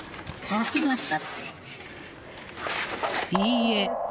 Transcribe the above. いいえ。